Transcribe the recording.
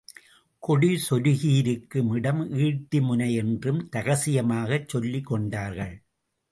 கொடி சொருகி இருக்கும் இடம் ஈட்டி முனை என்றும் ரகசியமாகச் சொல்லிக் கொண்டார்கள்.